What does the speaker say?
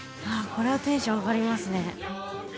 これはテンション上がりますね